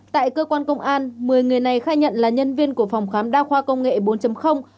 tại cơ quan công an một mươi người này khai nhận là nhân viên của phòng khám đa khoa công nghệ bốn